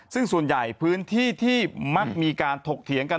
ซึ่งส่วนใหญ่พื้นที่ที่มักมีการถกเถียงกัน